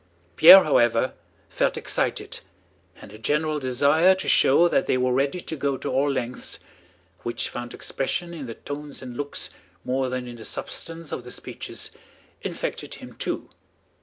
Pierre, however, felt excited, and the general desire to show that they were ready to go to all lengths—which found expression in the tones and looks more than in the substance of the speeches—infected him too.